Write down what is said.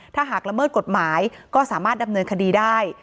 ถ้าหากละเมิดกฎหมายก็สามารถดำเนินคดีได้